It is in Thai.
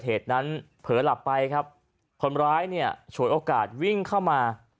เหตุนั้นเผลอหลับไปครับคนร้ายเนี่ยฉวยโอกาสวิ่งเข้ามา